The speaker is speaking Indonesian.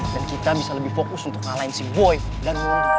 dan kita bisa lebih fokus untuk ngalahin si boy dan wong